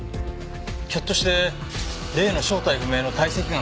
ひょっとして例の正体不明の堆積岩のかけら。